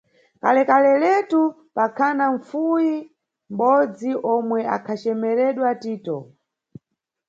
Kalekale letu pakhana mʼfuwi mʼbodzi omwe akhacemeredwa Tito.